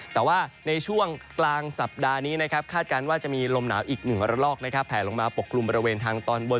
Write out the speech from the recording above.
แต่ว่าในช่วงกลางสัปดาห์นี้นะครับคาดการณ์ว่าจะมีลมหนาวอีกหนึ่งระลอกแผลลงมาปกกลุ่มบริเวณทางตอนบน